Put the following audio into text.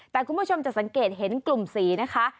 แต่คุณผู้ชมจะสังเกตเห็นกลุ่มสีนะคะ